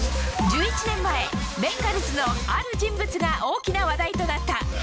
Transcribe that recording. １１年前、ベンガルズのある人物が大きな話題となった。